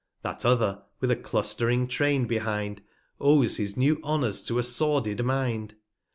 That other, with a clustring Train behind, 461 Owes his new Honours to a sordid Mind.